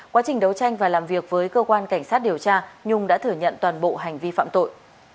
quá trình đấu tranh và làm việc với cơ quan cảnh sát điều tra nhung đã thừa nhận toàn bộ hành vi phạm tội